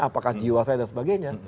apakah jiwa saya dan sebagainya